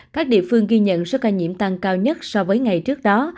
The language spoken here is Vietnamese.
các địa phương ghi nhận số ca nhiễm tăng cao nhất so với ngày trước đó